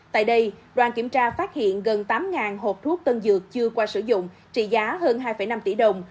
tại đây đoàn kiểm tra phát hiện gần tám hộp thuốc tân dược chưa qua sử dụng trị giá hơn hai năm tỷ đồng